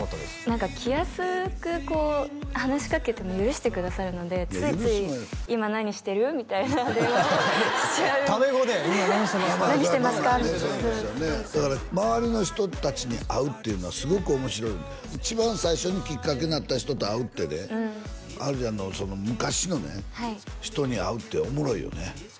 何か気安くこう話しかけても許してくださるのでついつい今何してる？みたいな電話をしちゃうタメ語で！？今何してますか何してますかだから周りの人達に会うっていうのはすごく面白い一番最初にきっかけになった人と会うってね華ちゃんの昔のね人に会うっておもろいよね